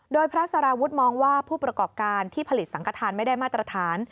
โดยพระสารวุฒิมองว่าผู้ประกอบการที่ผลิตสังขทานไม่ได้มาตรฐาน